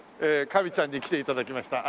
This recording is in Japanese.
カビちゃんに来て頂きました。